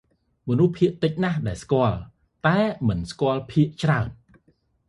«មនុស្សភាគតិចណាស់ដែលស្គាល់ តែមិនស្គាល់មានភាគច្រើន។